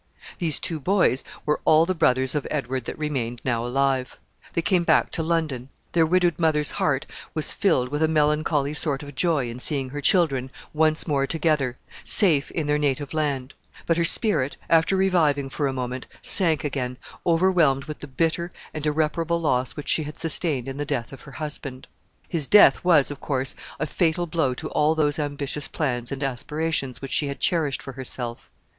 These two boys were all the brothers of Edward that remained now alive. They came back to London. Their widowed mother's heart was filled with a melancholy sort of joy in seeing her children once more together, safe in their native land; but her spirit, after reviving for a moment, sank again, overwhelmed with the bitter and irreparable loss which she had sustained in the death of her husband. His death was, of course, a fatal blow to all those ambitious plans and aspirations which she had cherished for herself.